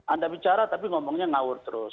anda bicara tapi ngomongnya ngawur terus